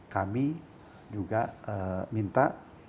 kami juga minta